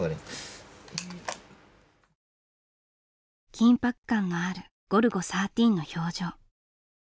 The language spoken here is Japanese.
緊迫感のあるゴルゴ１３の表情。